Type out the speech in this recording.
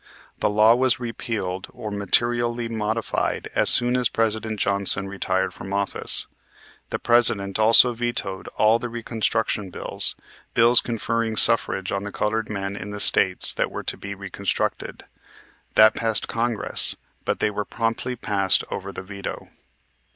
The law was repealed or materially modified as soon as President Johnson retired from office. The President also vetoed all the reconstruction bills, bills conferring suffrage on the colored men in the States that were to be reconstructed, that passed Congress; but they were promptly passed over the veto.